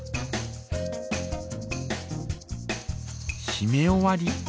しめ終わり。